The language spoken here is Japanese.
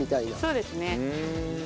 そうですね。